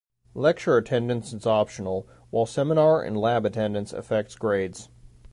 Lecture attendance is optional, while seminar and lab attendance affects grades.